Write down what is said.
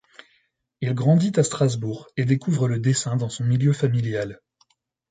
Il grandit à Strasbourg et découvre le dessin dans son milieu familial.